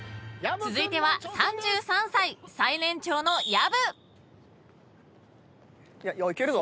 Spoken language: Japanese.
［続いては３３歳最年長の薮］いけるぞ。